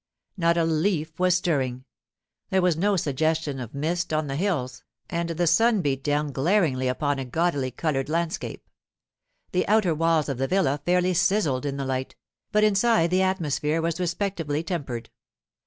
Not a leaf was stirring; there was no suggestion of mist on the hills, and the sun beat down glaringly upon a gaudily coloured landscape. The outer walls of the villa fairly sizzled in the light; but inside the atmosphere was respectably tempered.